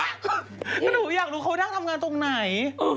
ก็หนูอยากรู้เขานั่งทำงานตรงไหน